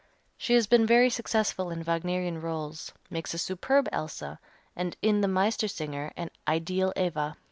She has been very successful in Wagnerian rôles, makes a superb Elsa, and, in the "Meistersinger," an ideal Eva.